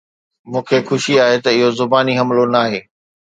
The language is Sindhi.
مون کي خوشي آهي ته اهو زباني حملو ناهي